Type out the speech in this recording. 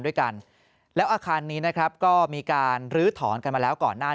ด้วยกันแล้วอาคารนี้นะครับก็มีการลื้อถอนกันมาแล้วก่อนหน้า